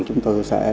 chúng tôi sẽ